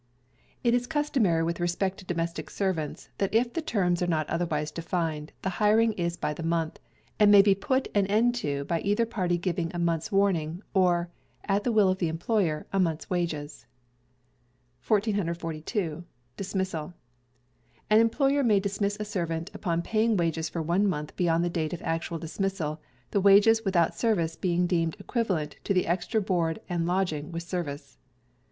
It is customary with respect to domestic servants, that if the terms are not otherwise defined, the hiring is by the month, and may be put an end to by either party giving a month's warning; or, at the will of the employer, a month's wages. 1442. Dismissal. An employer may dismiss a servant upon paying wages for one month beyond the date of actual dismissal, the wages without service being deemed equivalent to the extra board and lodging with service.